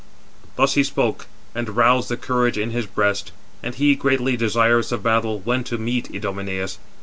Thus he spoke, and roused the courage in his breast, and he, greatly desirous of battle, went to meet Idomeneus.